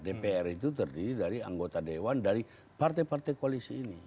dpr itu terdiri dari anggota dewan dari partai partai koalisi ini